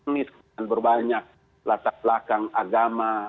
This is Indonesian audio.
sebuah yang berbanyak latar belakang agama